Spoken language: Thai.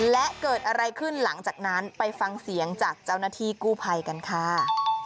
และเกิดอะไรขึ้นหลังจากนั้นไปฟังเสียงจากเจ้าหน้าที่กู้ภัยกันค่ะ